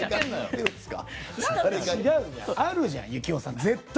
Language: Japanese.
あるじゃん、行雄さん、絶対！